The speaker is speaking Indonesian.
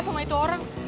sama itu orang